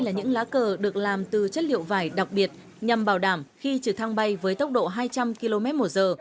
là những lá cờ được làm từ chất liệu vải đặc biệt nhằm bảo đảm khi trực thăng bay với tốc độ hai trăm linh km một giờ